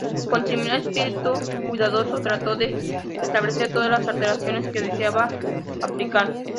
Con similar espíritu cuidadoso trató de establecer todas las alteraciones que deseaba aplicar.